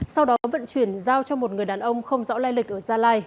sau đó vận chuyển giao cho một người đàn ông không rõ lai lịch ở gia lai